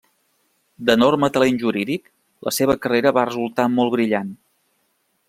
D'enorme talent jurídic, la seva carrera va resultar molt brillant.